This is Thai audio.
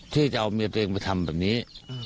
ที่จะเอาเมียตัวเองไปทำแบบนี้